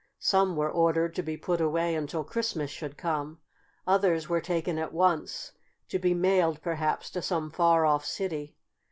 Some were ordered to be put away until Christmas should come. Others were taken at once, to be mailed perhaps to some far off city.